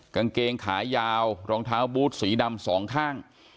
กางเกงขายาวรองเท้าบูธสีดำสองข้าง